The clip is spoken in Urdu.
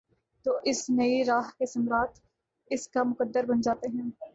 تو اس نئی راہ کے ثمرات اس کا مقدر بن جاتے ہیں ۔